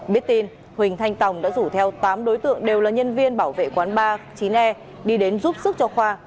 biết tin huỳnh thanh tòng đã rủ theo tám đối tượng đều là nhân viên bảo vệ quán ba mươi chín e đi đến giúp sức cho khoa